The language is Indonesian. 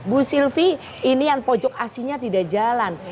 bu sylvi ini yang pojok asinya tidak jalan